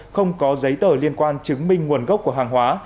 không có giấy tờ liên quan chứng minh nguồn gốc của hàng hóa